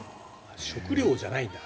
食料じゃないんだ。